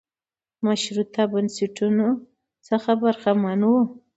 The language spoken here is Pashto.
مشروطه بنسټونو څخه برخمن و.